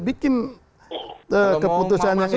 bikin keputusan yang ideal